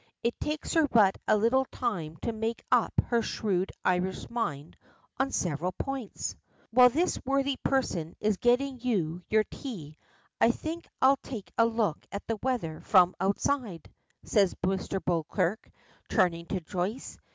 It takes her but a little time to make up her shrewd Irish mind on several points. "While this worthy person is getting you your tea I think I'll take a look at the weather from the outside," says Mr. Beauclerk, turning to Joyce.